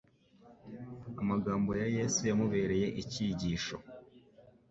Amagambo ya Yesu yamubereye icyigisho